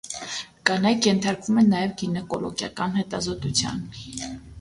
Կանայք ենթարկվում են նաև գինեկոլոգիական հետազոտության։